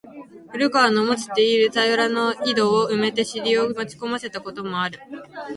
古川の持つて居る田圃の井戸を埋めて尻を持ち込まれた事もある。